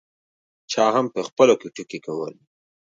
چا هم په خپلو کې ټوکې کولې.